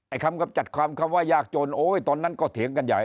คำกำจัดความคำว่ายากจนโอ้ยตอนนั้นก็เถียงกันใหญ่